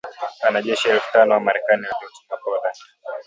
wanajeshi elfu tano wa Marekani waliotumwa Poland